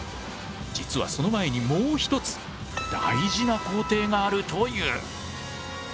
実はその前にもう一つ大事な工程があるという！